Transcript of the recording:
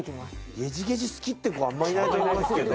ゲジゲジ好きって子あんまいないと思いますけど。